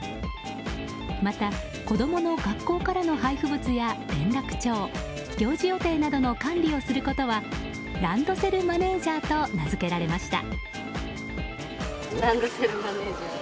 また、子供の学校からの配布物や連絡帳行事予定などの管理をすることはランドセルマネージャーと名づけられました。